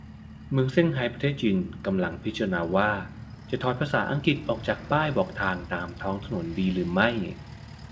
เมืองเซี่ยงไฮ้ ประเทศจีน กำลังพิจารณาว่า จะถอดภาษาอังกฤษออกจากป้ายบอกทางตามท้องถนนดีหรือไม่